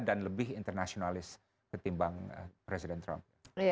dan lebih internasionalis ketimbang presiden trump